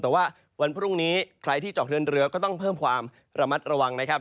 แต่ว่าวันพรุ่งนี้ใครที่เจาะเดินเรือก็ต้องเพิ่มความระมัดระวังนะครับ